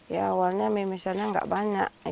ya awalnya memisahnya gak banyak